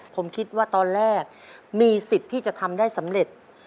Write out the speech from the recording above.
ผมคิดว่าตอนแรกมีสิทธิ์ที่จะทำได้สำเร็จ